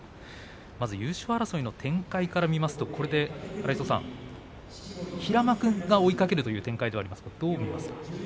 まず優勝争いの展開から見ますとこれで、荒磯さん平幕が追いかけるという展開ですがどう見ますか。